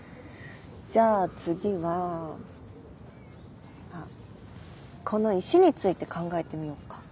じゃあ次はあっこの石について考えてみよっか